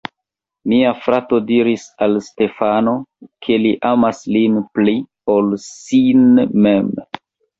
Mia frato diris al Stefano, ke li amas lin pli, ol sin mem.